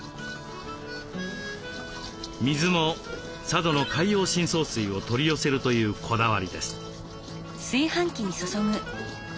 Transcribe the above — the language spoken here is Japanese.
水も佐渡の海洋深層水を取り寄せるというこだわりです。